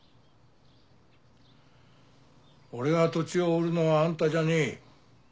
俺が土地を売るのはあんたじゃねえ。